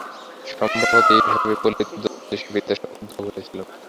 সম্ভবত এইভাবেই ফলিত জ্যোতিষ-বিদ্যার উদ্ভব হইয়াছিল।